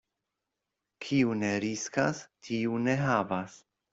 Kiu ne riskas, tiu ne havas.